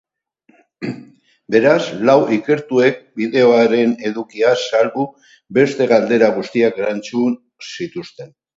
Beraz, lau ikertuek bideoaren edukiaz salbu beste galdera guztiak erantzun zituzten.